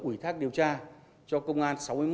ủy thác điều tra cho công an